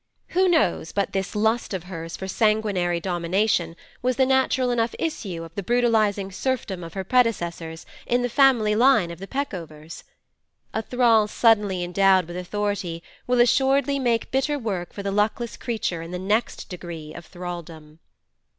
Who knows but this lust of hers for sanguinary domination was the natural enough issue of the brutalising serfdom of her predecessors in the family line of the Peckovers? A thrall suddenly endowed with authority will assuredly make bitter work for the luckless creature in the next degree of thraldom.